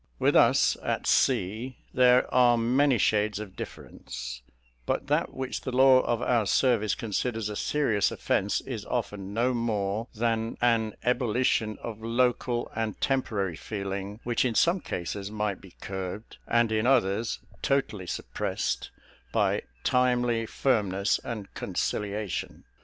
With us at sea there are many shades of difference; but that which the law of our service considers a serious offence is often no more than an ebullition of local and temporary feeling, which in some cases might be curbed, and in others totally suppressed by timely firmness and conciliation.